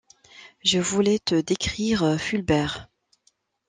Je voulais te décrire Fulbert.